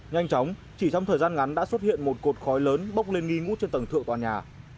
nhanh chóng chỉ trong thời gian ngắn đã xuất hiện một cột khói lớn bốc lên nghi ngút trên tầng thượng tòa nhà